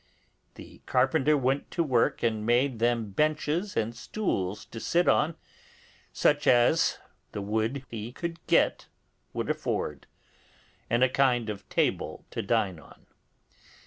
The carpenter went to work and made them benches and stools to sit on, such as the wood he could get would afford, and a kind of table to dine on.